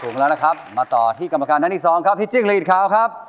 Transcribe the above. ถูกแล้วนะครับมาต่อที่กรรมการท่านอีก๒ครับพิจิกลีนคาวครับ